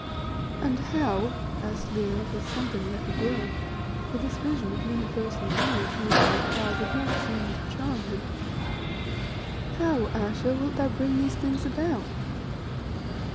"And how," asked Leo, with something like a groan for this vision of universal rule viewed from afar did not seem to charm him "how, Ayesha, wilt thou bring these things about?"